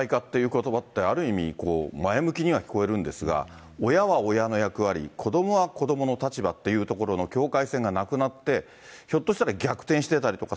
ことばってある意味、前向きには聞こえるんですが、親は親の役割、子どもは子どもの立場っていうところの境界線がなくなって、ひょっとしたら逆転してたりとか、